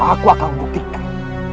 aku akan bukitkan